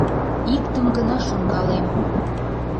Иктым гына шонкалем...